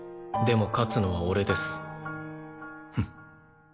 でも勝つのは俺です。